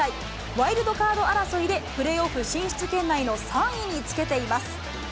ワイルドカード争いで、プレーオフ進出圏内の３位につけています。